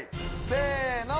せの！